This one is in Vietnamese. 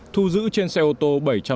thu giữ trên xe ô tô bảy trăm sáu mươi bảy